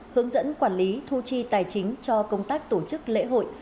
hướng dẫn quản lý thu chi tài chính cho công tác tổ chức lễ hội